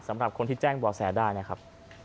สำหรับคนที่แจ้งบ่อแสได้นะครับ